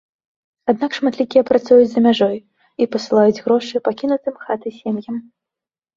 Аднак шматлікія працуюць за мяжой і пасылаюць грошы пакінутым хаты сем'ям.